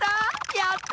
やった！